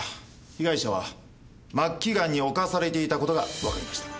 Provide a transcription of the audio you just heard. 被害者は末期がんに侵されていた事がわかりました。